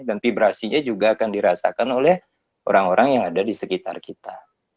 dan vibrasinya juga akan dirasakan oleh orang orang yang ada di sekitar kita